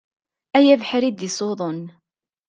Ay abeḥri i d-isuḍen.